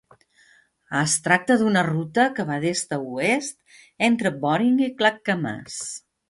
Es tracta d'una ruta que va d'est a oest, entre Boring i Clackamas.